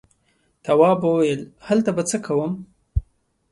تواب وويل: هلته به څه کوم.